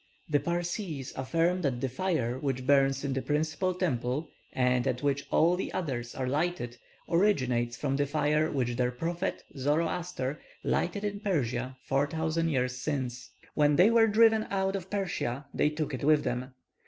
The Parsees affirm that the fire which burns in the principal temple, and at which all the others are lighted, originates from the fire which their prophet, Zoroaster, lighted in Persia 4,000 years since. When they were driven out of Persia they took it with them.